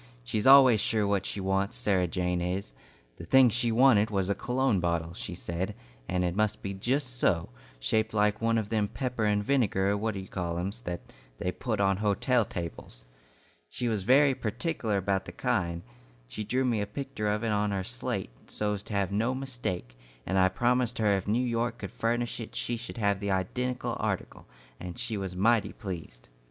She's always sure what she wants, Sarah Jane is. The thing she wanted was a cologne bottle, she said, and it must be just so, shaped like one of them pepper and vinegar what d' you call em's, that they put on hotel tables. She was very pertikeler about the kind. She drew me a picter of it on her slate, so 's to have no mistake, and I promised her if New York could furnish it she should have that identical article, and she was mighty pleased."